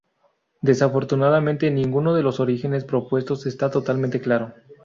Desafortunadamente, ninguno de los orígenes propuestos está totalmente claro.